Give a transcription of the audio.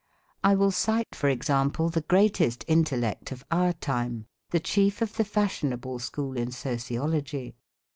I will cite for example the greatest intellect of our time, the chief of the fashionable school in sociology.